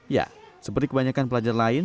ya seperti kebanyakan pelajar lain